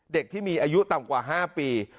เด็กที่มีอายุต่ำกว่า๕ปี